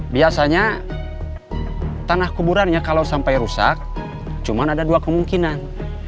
biasanya tanah kuburannya kalau sampai rusak cuma ada dua kemungkinan